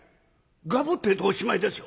ガブッてえとおしまいですよ。